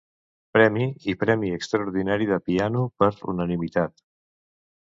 Premi i Premi Extraordinari de piano per unanimitat.